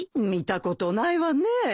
見たことないわね。